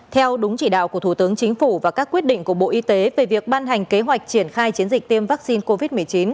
theo đúng chỉ đạo của thủ tướng chính phủ và các quyết định của bộ y tế về việc ban hành kế hoạch triển khai chiến dịch tiêm vaccine covid một mươi chín